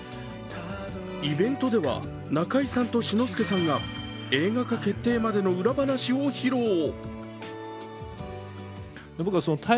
イベントでは、中井さんと志の輔さんが映画化決定までの裏話を披露。